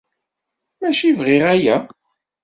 Mačči bɣiɣ aya